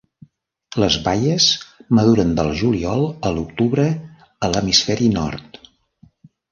Les baies maduren del juliol a l'octubre a l'hemisferi nord.